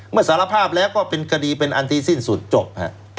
เมื่อสารภาพแล้วก็เป็นคดีเป็นอันตรีสิ้นสุดจบครับ